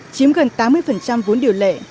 chiếm gần tám mươi vốn điều lệ